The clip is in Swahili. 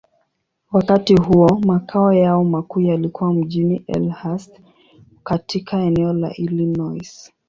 Wakati huo, makao yao makuu yalikuwa mjini Elmhurst, katika eneo la Illinois.